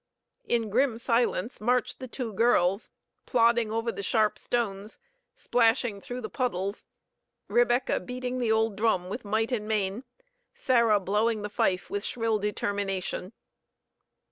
In grim silence marched the two girls, plodding over the sharp stones, splashing through the puddles, Rebecca beating the old drum with might and main; Sarah blowing the fife with shrill determination.